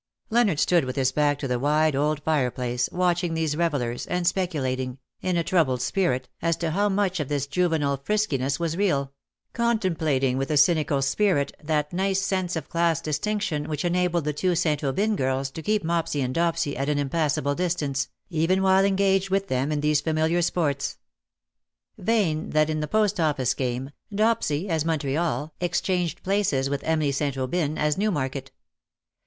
Leonard stood with his back to the wide old fire place, watching these revellers, and speculating, in a troubled spirit, as to how much of this juvenile friski ness was real; contemplating, with a cynical spirit, that nice sense of class distinction which enabled the two St. Aubyn girls to keep Mopsy and Dopsy at an impassable distance, even while engaged with them in these familiar sports. Vain that in the Post Office game, Dopsy as Montreal exchanged places with Emily St. Aubyn as Newmarket.